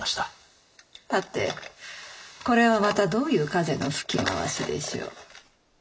はてこれはまたどういう風の吹き回しでしょう。